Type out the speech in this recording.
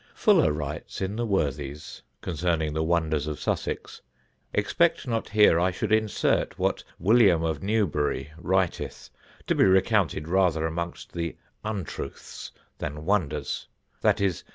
[Sidenote: THE FIELD OF BLOOD] Fuller writes in the Worthies, concerning the wonders of Sussex: "Expect not here I should insert what William of Newbury writeth (to be recounted rather amongst the Untruths than Wonders); viz.